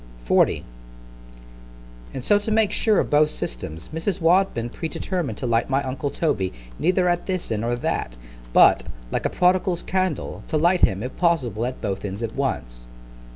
C H A P. XL ——And so to make sure of both systems, Mrs. Wadman predetermined to light my uncle Toby neither at this end or that; but, like a prodigal's candle, to light him, if possible, at both ends at once.